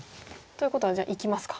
ということはじゃあいきますか。